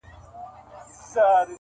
• او مرغانو ته ایږدي د مرګ دامونه -